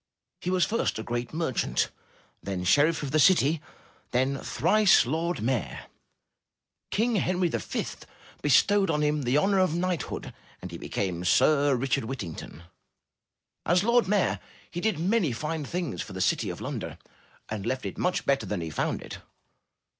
He was first a great merchant, then sheriff of the city, and thrice lord mayor; King Henry V bestowed upon him the honor of knighthood and he became Sir Richard Whittington. As Lord Mayor, he did many fine things for the city of London and left it much better than he found it.